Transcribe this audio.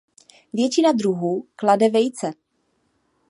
Většina druhů klade vejce.